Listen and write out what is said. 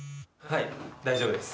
はい大丈夫です。